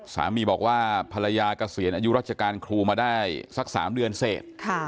สามีบอกว่าภรรยาเกษียณอายุราชการครูมาได้สัก๓เดือนเสร็จ